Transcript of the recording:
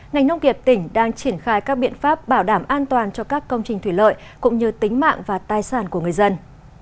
ngành nông nghiệp tỉnh đang triển khai các biện pháp bảo đảm an toàn cho các công trình thủy lợi cũng như tính mạng và tài sản của người dân